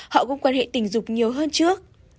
họ cũng quan hệ tình dục nhiều hơn trước